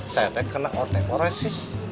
saya terkena otekoresis